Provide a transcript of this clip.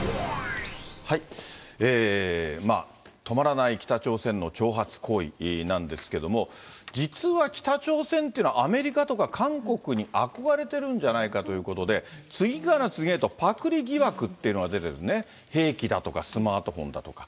止まらない北朝鮮の挑発行為なんですけれども、実は北朝鮮というのは、アメリカとか韓国に憧れてるんじゃないかということで、次から次へとパクリ疑惑っていうのが出てるんですね、兵器だとかスマートフォンだとか。